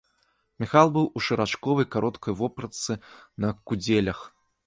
Міхал быў у шарачковай кароткай вопратцы на кудзелях.